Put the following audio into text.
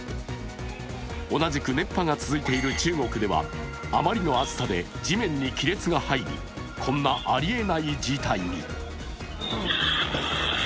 同じく熱波が続いている中国では、あまりの暑さで、地面に亀裂が入りこんなありえない事態に。